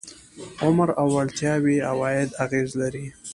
عمر او وړتیاوې عوایدو اغېز لري.